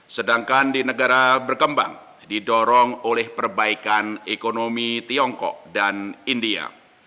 sedangkan di negara berkembang didorong oleh perbaikan ekonomi tiongkok dan india